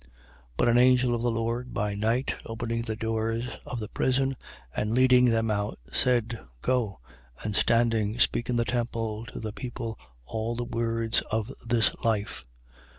5:19. But an angel of the Lord by night, opening the doors of the prison and leading them out, said: 5:20. Go, and standing speak in the temple to the people all the words of this life.